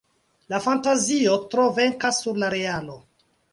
La fantazio tro venkas sur la realo.